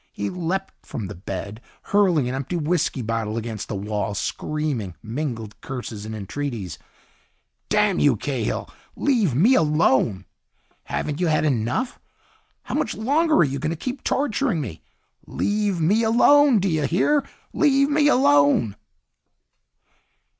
He leaped from the bed, hurling an empty whisky bottle against the wall, screaming mingled curses and entreaties. "Damn you, Cahill, leave me alone! Haven't you had enough? How much longer are you going to keep torturing me? Leave me alone, do you hear? Leave me alone!"